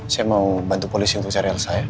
saya mau bantu polisi untuk cari elsa ya